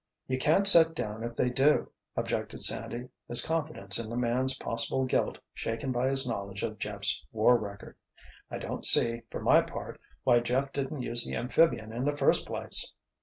"You can't set down if they do," objected Sandy, his confidence in the man's possible guilt shaken by his knowledge of Jeff's war record. "I don't see, for my part, why Jeff didn't use the amphibian in the first place!"